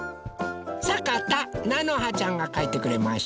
さかたなのはちゃんがかいてくれました。